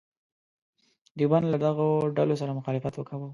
دیوبند له دغو ډلو سره مخالفت وکاوه.